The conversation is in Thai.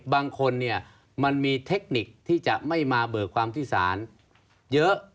บางคนเนี่ยมันมีเทคนิคที่จะไม่มาเบิกความที่ศาลเยอะ